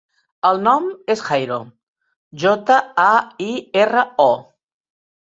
El nom és Jairo: jota, a, i, erra, o.